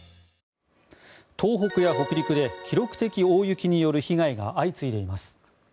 東北や北陸で記録的大雪による被害が相次いでいます。